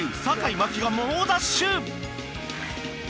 坂井真紀が猛ダッシュ！